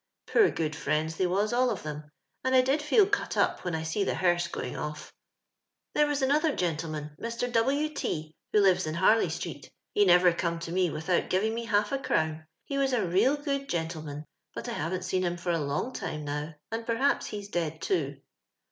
i*oor good fjriends they was all of them, and I did feel cut up when I sec the hesrse going olT. " There was another gentleman, Mr. W. T , who lives in Harley>street ; he nerer come by me without giving mo half a orown. He was a real good gentleman ; but I haven't seen liim for a long time now, and porhapi he's dead too.